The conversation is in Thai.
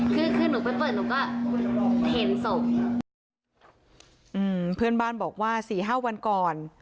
คือคือหนูไปเปิดหนูก็เห็นศพอืมเพื่อนบ้านบอกว่าสี่ห้าวันก่อน